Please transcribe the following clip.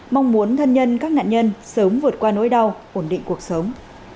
mong muốn thân nhân các nạn nhân sớm vượt qua nỗi đau ổn định cuộc sống